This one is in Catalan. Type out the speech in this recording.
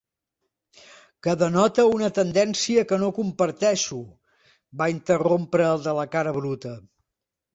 "Que denota una tendència que no comparteixo" va interrompre el de la cara bruta.